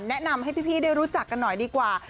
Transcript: แนะนำให้พี่ได้รู้จักกันหน่อยดีกว่า